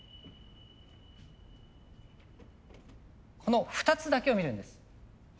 この２つだけを見るんです。